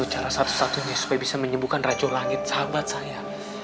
itu cara satu satunya supaya bisa menjemputkan rajo langit sahabat saya